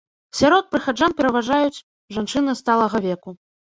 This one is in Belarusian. Сярод прыхаджан пераважаюць жанчыны сталага веку.